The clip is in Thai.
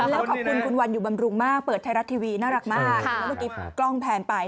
แล้วขอบคุณคุณวันอยู่บำรุงมากเปิดไทยรัฐทีวีน่ารักมากแล้วเมื่อกี้กล้องแพนไป